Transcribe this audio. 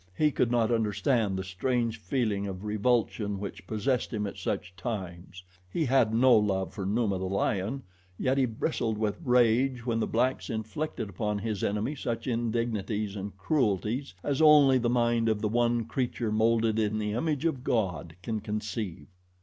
He could not understand the strange feeling of revulsion which possessed him at such times. He had no love for Numa, the lion, yet he bristled with rage when the blacks inflicted upon his enemy such indignities and cruelties as only the mind of the one creature molded in the image of God can conceive.